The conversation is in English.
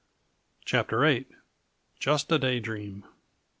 CHAPTER VIII. _Just a Day dream.